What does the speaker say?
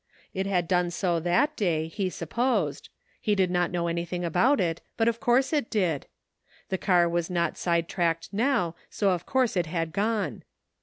It had done so that day, he supposed ; he did not know anything about it, but of course it did. The car was not side tracked now, so of course it had gone.